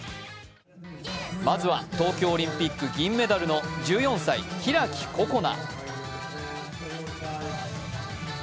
まずは東京オリンピック銀メダルの１４歳、開心那。